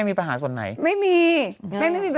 ไม่มี